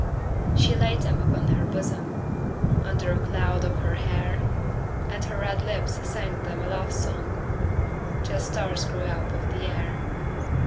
She laid them upon her bosom, Under a cloud of her hair, And her red lips sang them a love song Till stars grew out of the air.